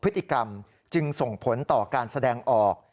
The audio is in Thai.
พฤติกรรมจึงส่งผลต่อการแสดงออก